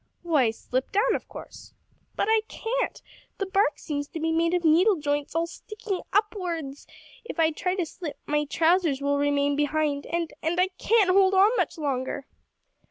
"Why, slip down, of course." "But I can't. The bark seems to be made of needle joints, all sticking upwards. If I try to slip, my trousers vill remain behind, and and I can't hold on much longer!"